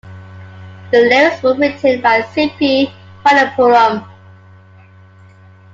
The lyrics were written by Sippy Pallippuram.